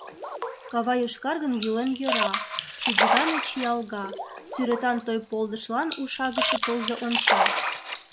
Кава йошкаргын йӱлен йӧра, шӱч гане чиялга, сӱретан той полдышлан ушагыше тылзе онча.